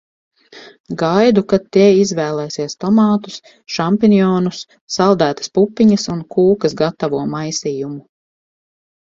Gaidu, kad tie izvēlēsies tomātus, šampinjonus, saldētas pupiņas un kūkas gatavo maisījumu.